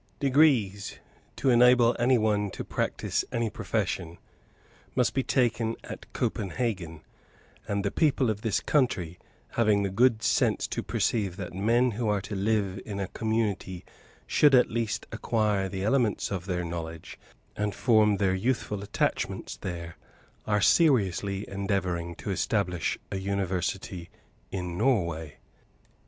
Degrees, to enable any one to practise any profession, must be taken at Copenhagen; and the people of this country, having the good sense to perceive that men who are to live in a community should at least acquire the elements of their knowledge, and form their youthful attachments there, are seriously endeavouring to establish a university in Norway.